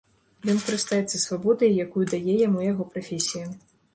Ён карыстаецца свабодай, якую дае яму яго прафесія.